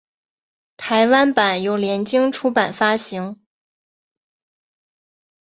台湾版由联经出版发行。